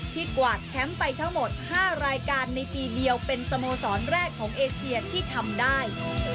กวาดแชมป์ไปทั้งหมด๕รายการในปีเดียวเป็นสโมสรแรกของเอเชียที่ทำได้